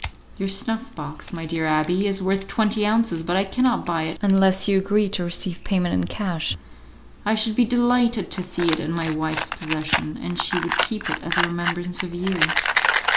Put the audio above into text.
"Your snuff box, my dear abbé, is worth twenty ounces, but I cannot buy it unless you agree to receive payment in cash; I should be delighted to see it in my wife's possession, and she would keep it as a remembrance of you."